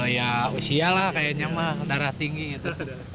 ya usia lah kayaknya mah darah tinggi gitu